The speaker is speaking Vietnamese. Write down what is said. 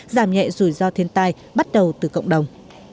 giảm nhẹ rủi ro thiên tai bắt đầu từ cộng đồng